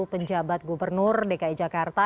penjabat gubernur dki jakarta